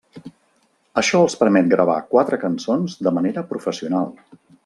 Això els permet gravar quatre cançons de manera professional.